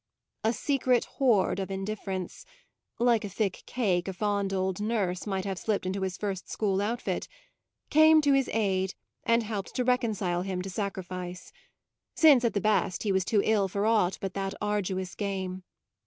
A secret hoard of indifference like a thick cake a fond old nurse might have slipped into his first school outfit came to his aid and helped to reconcile him to sacrifice; since at the best he was too ill for aught but that arduous game.